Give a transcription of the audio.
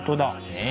ねえ。